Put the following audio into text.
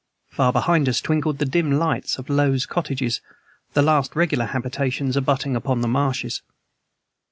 Far behind us twinkled the dim lights of Low's Cottages, the last regular habitations abutting upon the marshes.